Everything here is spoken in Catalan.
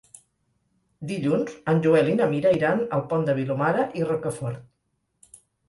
Dilluns en Joel i na Mira iran al Pont de Vilomara i Rocafort.